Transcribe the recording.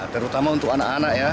terutama untuk anak anak ya